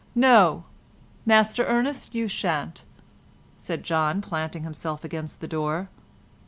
"No, Master Ernest, you shan't," said John, planting himself against the door.